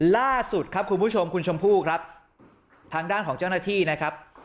ล่าสุดครับคุณผู้ชมคุณชมพู่ครับทางด้านของเจ้าหน้าที่นะครับ